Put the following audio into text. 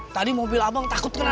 tadi mobil abang takut kena derek